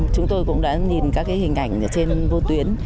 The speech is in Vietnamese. chúng tôi cũng đã nhìn các hình ảnh trên vô tuyến